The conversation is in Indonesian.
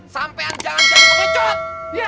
sampean jangan jadi pengecut